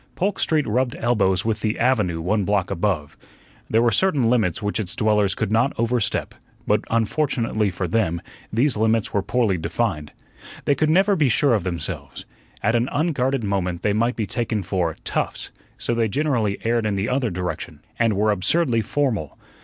Polk Street rubbed elbows with the "avenue" one block above. There were certain limits which its dwellers could not overstep; but unfortunately for them, these limits were poorly defined. They could never be sure of themselves. At an unguarded moment they might be taken for "toughs," so they generally erred in the other direction, and were absurdly formal.